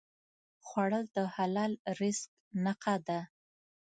خوړل د حلال رزق نښه ده